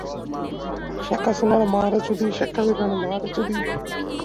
তিনি আরও পড়াশুনার জন্য নাদওয়াতুল উলামায় ভর্তি হন এবং সেখানে চার বছর অধ্যয়ন করেন।